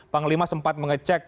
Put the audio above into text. panglima sempat mengecek